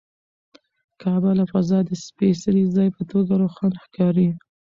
کعبه له فضا د سپېڅلي ځای په توګه روښانه ښکاري.